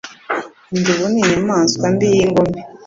idubu ni inyamanswa mbi yingome